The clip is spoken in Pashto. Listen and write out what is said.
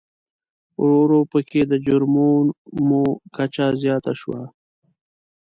ورو ورو په کې د جرمومو کچه زیاته شوه.